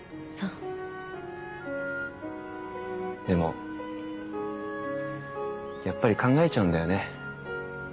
でもやっぱり考えちゃうんだよね。